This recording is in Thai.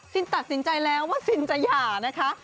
ตัดสินใจแล้วว่าซินจะหย่านะคะ